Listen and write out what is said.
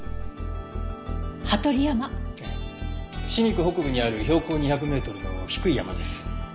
伏見区北部にある標高２００メートルの低い山です。